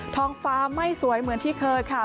ท้องฟ้าไม่สวยเหมือนที่เคยค่ะ